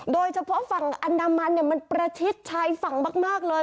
โดยเฉพาะฝั่งอันดามันมันประชิดชายฝั่งมากเลย